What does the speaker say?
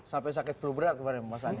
sampai sakit pelu berat kemarin mas anies